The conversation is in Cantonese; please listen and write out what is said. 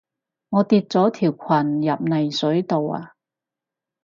我跌咗條裙入泥水度啊